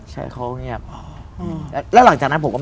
ใช่ครับ